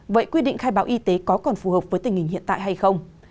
vậy quy định khai báo y tế có còn phù hợp với tình hình hiện tại hay không